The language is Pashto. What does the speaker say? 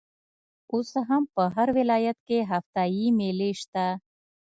اوس هم په هر ولايت کښي هفته يي مېلې سته.